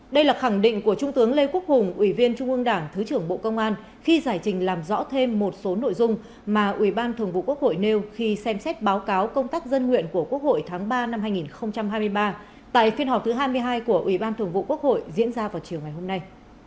đây là khẳng định của trung tướng lê quốc hùng ủy viên trung ương đảng thứ trưởng bộ công an khi giải trình làm rõ thêm một số nội dung mà ủy ban thường vụ quốc hội nêu khi xem xét báo cáo công tác dân nguyện của quốc hội tháng ba năm hai nghìn hai mươi ba tại phiên họp thứ hai mươi hai của ủy ban thường vụ quốc hội diễn ra vào chiều ngày hôm nay